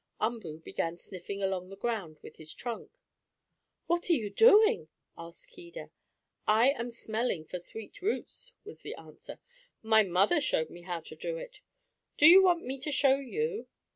Umboo began sniffing along the ground with his trunk. "What are you doing?" asked Keedah. "I am smelling for sweet roots," was the answer. "My mother showed me how to do it. Do you want me to show you?"